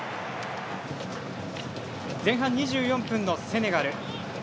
前半２４分のセネガル。